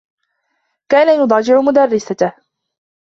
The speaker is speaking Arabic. كان يضاجع مدرّسته.